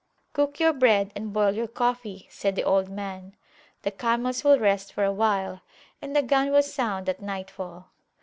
Cook your bread and boil your coffee, said the old man; the camels will rest for awhile, and the gun will sound at nightfall.